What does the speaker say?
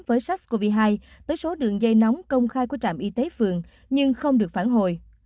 với sars cov hai tới số đường dây nóng công khai của trạm y tế phường nhưng không được phản hồi